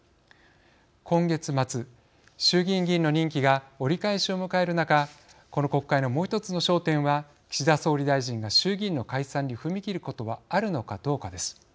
今月末、衆議院議員の任期が折り返しを迎える中この国会のもう１つの焦点は岸田総理大臣が衆議院の解散に踏み切ることはあるのかどうかです。